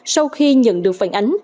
sau khi nhận được phản ánh